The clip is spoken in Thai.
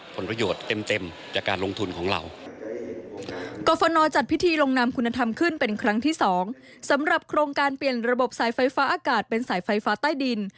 โปร่งการเปลี่ยนระบบสายไฟฟ้าอากาศเป็นสายไฟฟ้าใต้ดิน